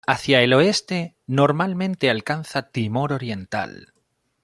Hacia el oeste, normalmente alcanza Timor Oriental.